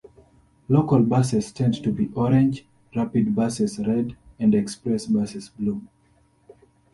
Local buses tend to be orange, rapid buses red, and express buses blue.